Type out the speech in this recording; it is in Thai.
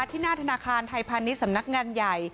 ที่หน้าธนาคารไทยพาณิชย์สำนักงานใหญ่